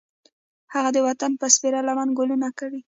هغه د وطن په سپېره لمن ګلونه کري